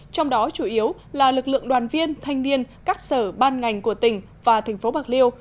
trong đó chủ yếu là lực lượng đoàn viên thanh niên các sở ban ngành của tỉnh và thành phố bạc liêu